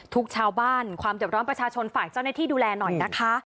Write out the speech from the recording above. ชาวบ้านความเจ็บร้อนประชาชนฝากเจ้าหน้าที่ดูแลหน่อยนะคะ